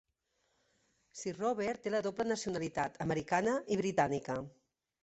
Sir Robert té la doble nacionalitat americana i britànica.